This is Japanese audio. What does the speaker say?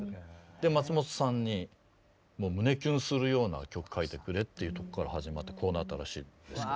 で松本さんに胸キュンするような曲書いてくれっていうとこから始まってこうなったらしいんですけど。